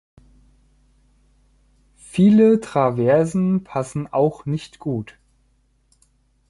Viele Traversen passen auch nicht gut.